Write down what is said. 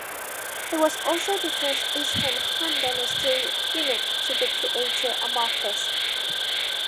He was also the first Eastern Han Dynasty eunuch to be created a marquess.